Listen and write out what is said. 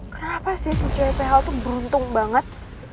kenapa sih si cwpho tuh beruntung banget